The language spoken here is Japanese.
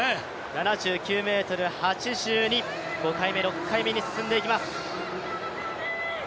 ７９ｍ８２、５回目、６回目に進んでいきます。